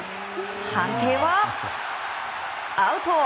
判定はアウト！